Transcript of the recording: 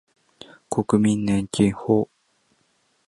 国民年金法